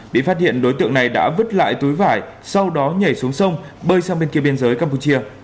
bị phát hiện đối tượng này đã vứt lại túi vải sau đó nhảy xuống sông bơi sang bên kia biên giới campuchia